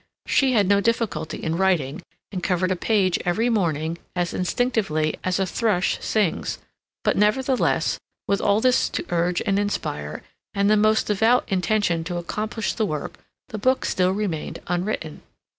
She had no difficulty in writing, and covered a page every morning as instinctively as a thrush sings, but nevertheless, with all this to urge and inspire, and the most devout intention to accomplish the work, the book still remained unwritten.